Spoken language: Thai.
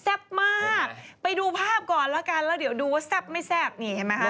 มากไปดูภาพก่อนแล้วกันแล้วเดี๋ยวดูว่าแซ่บไม่แซ่บนี่เห็นไหมคะ